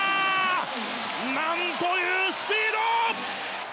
なんというスピード！